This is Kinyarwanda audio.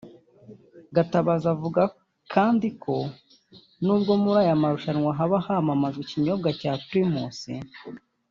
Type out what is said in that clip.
Gatabazi avuga kandi ko n’ubwo muri aya marushanwa haba hamamazwa ikinyobwa cya Primus